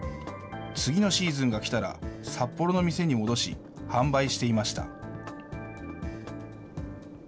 次のシーズンが来たら札幌の店に戻し、販売していました。